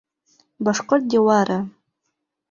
Башҡорт диуары